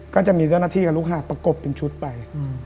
ก็จะมีเจ้าหน้าที่กับลูกหาประกบเป็นชุดไป